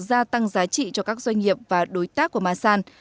gia tăng giá trị cho các doanh nghiệp và đối tác của masan